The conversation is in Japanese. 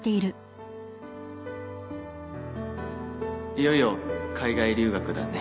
いよいよ海外留学だね